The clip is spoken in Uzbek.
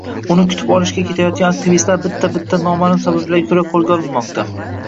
Uni kutib olishga ketayotgan aktivistlar bitta-bitta nomaʼlum sabablarga koʻra qoʻlga olinmoqda.